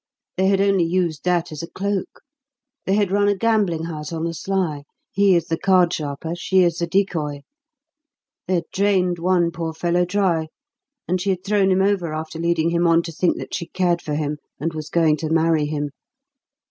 They had only used that as a cloak. They had run a gambling house on the sly he as the card sharper, she as the decoy. They had drained one poor fellow dry, and she had thrown him over after leading him on to think that she cared for him and was going to marry him.